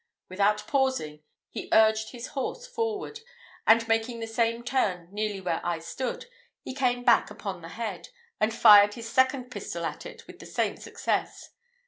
Without pausing, he urged his horse forward; and making the same turn nearly where I stood, he came back upon the head, and fired his second pistol at it with the same success.